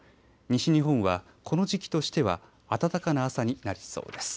西日本はこの時期としては暖かな朝になりそうです。